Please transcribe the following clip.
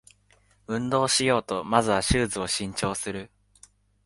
運動しようとまずはシューズを新調する